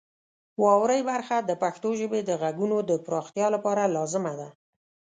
واورئ برخه د پښتو ژبې د غږونو د پراختیا لپاره لازمه ده.